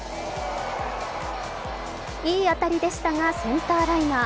いい当たりでしたが、センターライナー。